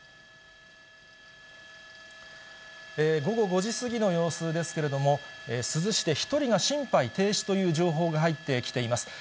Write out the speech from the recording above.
午後５時過ぎの様子ですけれども、珠洲市で１人が心肺停止という情報が入ってきています。